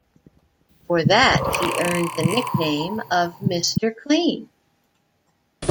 For that he earned the nickname of Mr. Clean.